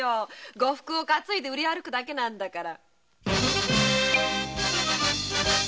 呉服を担いで売り歩くだけなんだから。